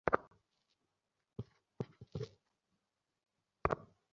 তাঁর কণ্ঠে পরিবেশিত হারানো দিনের বাংলা গান শুনে শ্রোতারা নস্টালজিক হয়ে পড়ে।